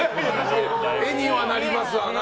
絵にはなりますわな。